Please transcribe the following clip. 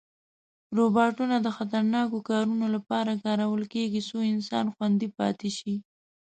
روباټونه د خطرناکو کارونو لپاره کارول کېږي، څو انسان خوندي پاتې شي.